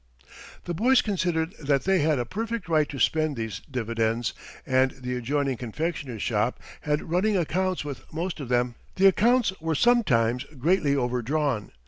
The boys considered that they had a perfect right to spend these dividends, and the adjoining confectioner's shop had running accounts with most of them. The accounts were sometimes greatly overdrawn.